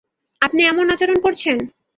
আপনি এমন আচরণ করছেন?